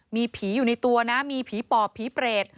มีผีอยู่ในตัวนะมีผีปอบผีเปรต